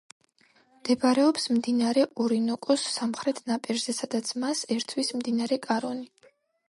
მდებარეობს მდინარე ორინოკოს სამხრეთ ნაპირზე, სადაც მას ერთვის მდინარე კარონი.